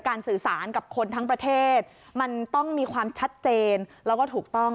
สื่อสารกับคนทั้งประเทศมันต้องมีความชัดเจนแล้วก็ถูกต้อง